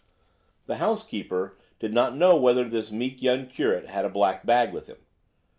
The housekeeper did not know whether this meek young curate had a black bag with him.